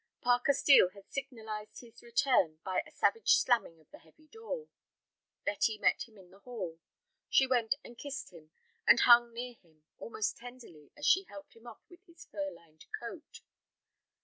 Parker Steel had signalized his return by a savage slamming of the heavy door. Betty met him in the hall. She went and kissed him, and hung near him almost tenderly as she helped him off with his fur lined coat.